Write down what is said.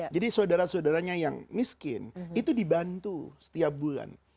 jadi saudara saudaranya yang miskin itu dibantu setiap bulan